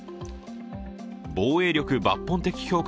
防衛力抜本的強化